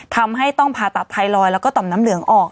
ทำให้ต้องผ่าตัดไทรอยด์แล้วก็ต่อมน้ำเหลืองออก